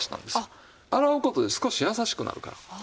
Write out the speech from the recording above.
洗う事で少し優しくなるから。